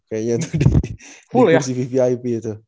kayaknya tuh di vvvip itu